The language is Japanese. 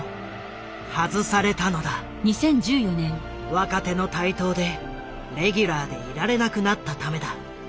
若手の台頭でレギュラーでいられなくなったためだ。